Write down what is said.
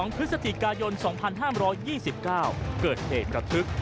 พฤศจิกายน๒๕๒๙เกิดเหตุระทึก